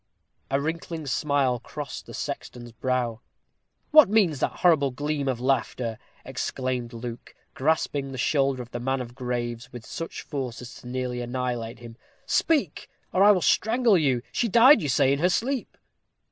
A wrinkling smile crossed the sexton's brow. "What means that horrible gleam of laughter?" exclaimed Luke, grasping the shoulder of the man of graves with such force as nearly to annihilate him. "Speak, or I will strangle you. She died, you say, in her sleep?"